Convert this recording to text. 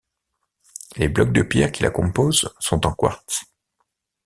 Les blocs de pierre qui la composent sont en quartz.